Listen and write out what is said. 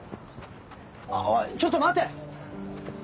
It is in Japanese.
おいちょっと待て！